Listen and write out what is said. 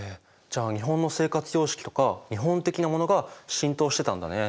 じゃあ日本の生活様式とか日本的なものが浸透してたんだね。